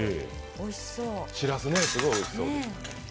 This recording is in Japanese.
しらす、すごいおいしそうです。